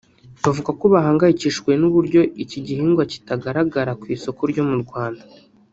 bavuga ko bahangayikishijwe n’uburyo iki gihingwa kitagaragara ku isoko ryo mu Rwanda